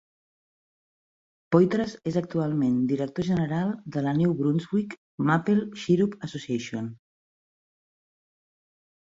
Poitras és actualment director general de la New Brunswick Maple Syrup Association.